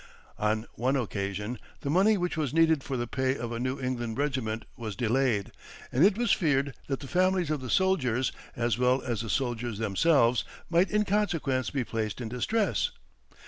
On one occasion the money which was needed for the pay of a New England regiment was delayed, and it was feared that the families of the soldiers, as well as the soldiers themselves, might in consequence be placed in distress.